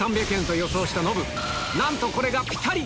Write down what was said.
なんとこれがピタリ！